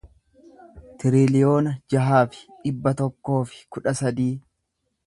tiriliyoona jaha fi dhibba tokkoo fi kudha sadii